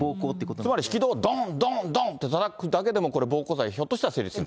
つまり、引き戸をどん、どん、どんってたたくだけでも、これ、暴行罪ひょっとしたら成立する。